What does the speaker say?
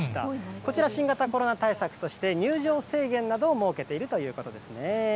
こちら、新型コロナ対策として、入場制限などを設けているということですね。